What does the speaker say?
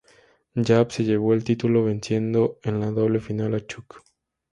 Yap se llevó el título venciendo en la doble final a Chuuk.